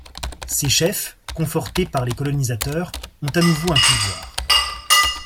Ces chefs, confortés par les colonisateurs, ont à nouveau un pouvoir.